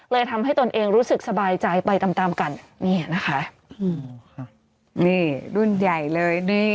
เลยทำให้ตนเองรู้สึกสบายใจไปตามตามกันนี่นะคะนี่รุ่นใหญ่เลยนี่